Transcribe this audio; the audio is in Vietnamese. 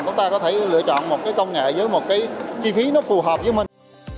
chúng ta có thể lựa chọn một cái công nghệ với một cái chi phí nó phù hợp với mình